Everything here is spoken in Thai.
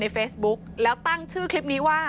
เฟซบุ๊กแล้วตั้งชื่อคลิปนี้ว่า